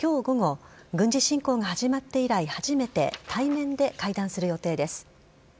午後軍事侵攻が始まって以来初めて対面で会談する予定です。